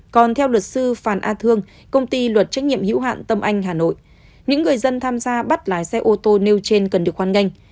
còn theo luật sư phan a thương công ty luật trách nhiệm hữu hạn tâm anh hà nội những người dân tham gia bắt lái xe ô tô nêu trên cần được hoan nghênh